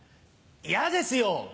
嫌ですよ。